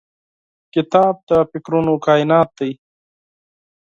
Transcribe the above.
کتاب د فکرونو کائنات دی.